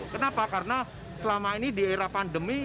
kenapa karena selama ini di era pandemi